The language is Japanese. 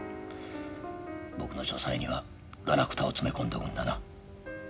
僕の書斎にはガラクタを詰め込んでおくんだな。